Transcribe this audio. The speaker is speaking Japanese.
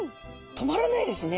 止まらないですね